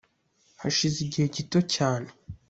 Hashize igihe gito cyane